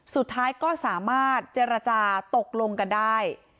สุดท้ายก็สามารถเจรจาตกลงกันได้